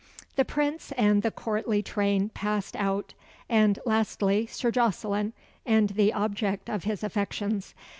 The Prince and the courtly train passed out and, lastly, Sir Jocelyn and the object of his affections.